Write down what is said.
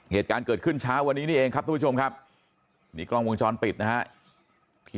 เหตุการณ์เกิดขึ้นเช้าวันนี้นี่เองครับทุกผู้ชมครับนี่กล้องวงจรปิดนะฮะ